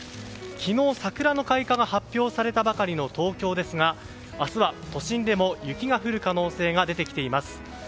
昨日、桜の開花が発表されたばかりの東京ですが明日は都心でも雪が降る能性が出てきています。